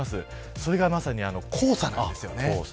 それがまさに黄砂なんです。